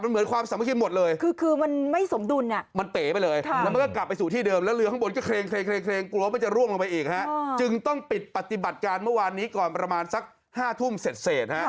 เพราะ๑ใน๕มันขาดมันเหมือนความสำคัญหมดเลย